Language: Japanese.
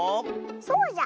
そうじゃ。